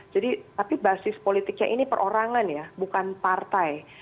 tapi basis politiknya ini perorangan ya bukan partai